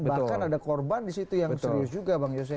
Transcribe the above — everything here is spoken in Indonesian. bahkan ada korban disitu yang serius juga bang yose